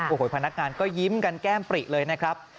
โอ้โหพนักงานก็ยิ้มกันแก้มปริเลยนะครับ